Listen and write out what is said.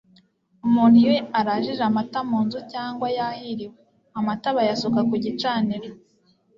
Umuntu iyo arajije amata mu nzu cyangwa yahiriwe ,amata bayasuka ku gicaniro,